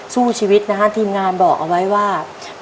สู้ชีวิตนะฮะทีมงานบอกเอาไว้ว่า